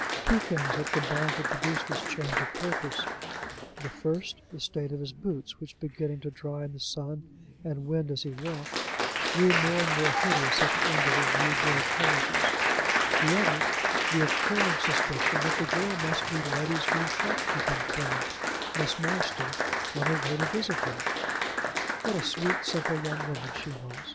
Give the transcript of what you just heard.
Two things had combined to produce this change of purpose the first, the state of his boots, which, beginning to dry in the sun and wind as he walked, grew more and more hideous at the end of his new gray trousers; the other, the occurring suspicion that the girl must be Letty's new shopkeeping friend, Miss Marston, on her way to visit her. What a sweet, simple young woman she was!